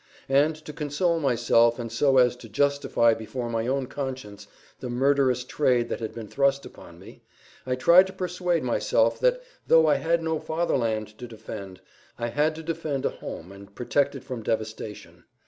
And to console myself, and so as to justify before my own conscience the murderous trade that had been thrust upon me, I tried to persuade myself that though I had no Fatherland to defend, I had to defend a home and protect it from devastation.